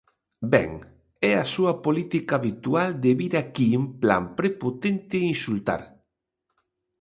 Ben, é a súa política habitual de vir aquí en plan prepotente insultar.